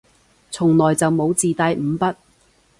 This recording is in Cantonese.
從來就冇自帶五筆